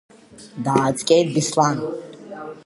Дааҵҟьеит Беслан.